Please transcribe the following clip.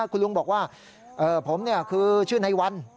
คุณลุงบอกว่าผมคือชื่อในวัน